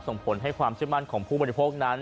ส่งผลให้ความเชื่อมั่นของผู้บริโภคนั้น